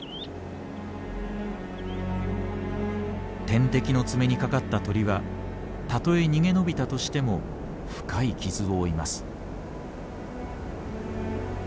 天敵の爪にかかった鳥はたとえ逃げ延びたとしても深い傷を負います。